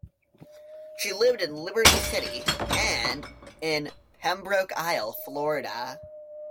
She lived in Liberty City and in Pembroke Isle, Florida.